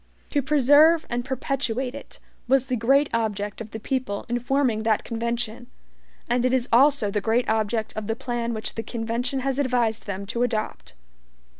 To preserve and perpetuate it was the great object of the people in forming that convention, and it is also the great object of the plan which the convention has advised them to adopt.